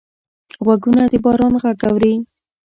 غوږونه د باران غږ اوري